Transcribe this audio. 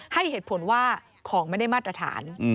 ให้เหตุผลว่าของไม่ได้มาตรฐาน